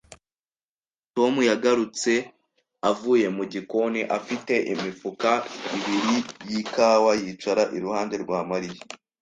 Tom yagarutse avuye mu gikoni afite imifuka ibiri yikawa yicara iruhande rwa Mariya